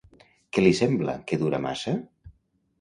Què li sembla que dura massa?